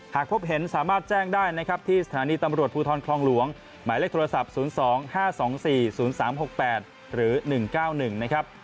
หากพบเห็นสามารถแจ้งได้นะครับที่สถานีตำรวจภูทรคลองหลวงหมายเลขโทรศัพท์๐๒๕๒๔๐๓๖๘หรือ๑๙๑นะครับ